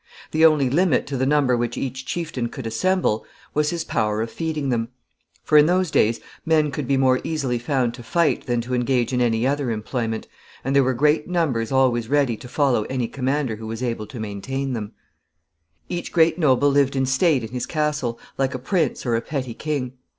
The only limit to the number which each chieftain could assemble was his power of feeding them. For in those days men could be more easily found to fight than to engage in any other employment, and there were great numbers always ready to follow any commander who was able to maintain them. [Sidenote: Their courts.] Each great noble lived in state in his castle, like a prince or a petty king.